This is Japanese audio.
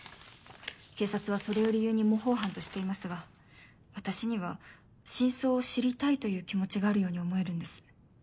警察はそれを理由に模倣犯としていますが私には「真相を知りたい」という気持ちがあるように思えるんです。